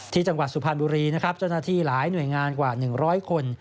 จังหวัดสุพรรณบุรีนะครับเจ้าหน้าที่หลายหน่วยงานกว่า๑๐๐คน